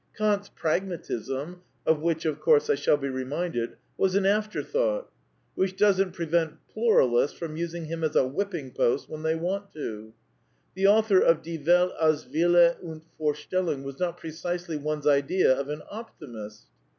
Kant's Pragmatism (of which, of course, I shall be reminded) was an after thought; which doesn't prevent pluralists from using him as a whipping post when they want to. The author of Die Welt al$ Wille und Vorstellung was not precisely one's idea of an optimist.